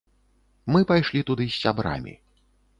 Мы пайшлі туды з сябрамі.